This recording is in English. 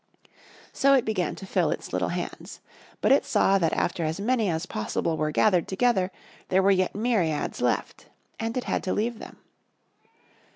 So it began to fill its little hands. But it saw that after as many as possible were gathered together there were yet myriads left. And it had to leave them.